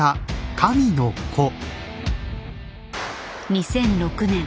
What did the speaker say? ２００６年。